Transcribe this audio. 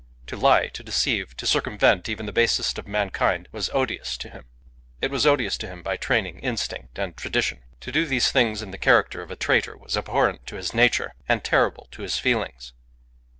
To lie, to deceive, to circumvent even the basest of mankind was odious to him. It was odious to him by training, instinct, and tradition. To do these things in the character of a traitor was abhorrent to his nature and terrible to his feelings.